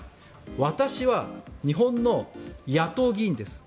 私は日本の野党議員です。